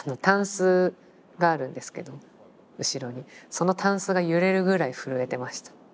そのたんすが揺れるぐらい震えてました。